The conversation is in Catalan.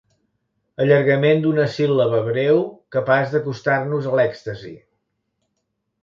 Allargament d'una síl·laba breu capaç d'acostar-nos a l'èxtasi.